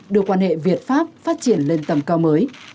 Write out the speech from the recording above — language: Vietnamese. đưa quan hệ việt pháp phát triển lên tầm cao mới